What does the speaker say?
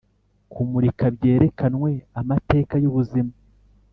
kumurika, byerekanwe amateka yubuzima